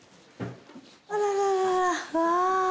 あららららわあ！